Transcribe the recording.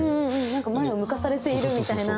何か前を向かされているみたいな。